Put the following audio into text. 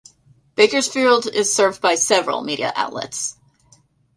Bakersfield is served by several media outlets.